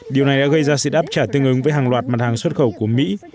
điều này đã gây ra sự đáp trả tương ứng với hàng loạt mặt hàng xuất khẩu của mỹ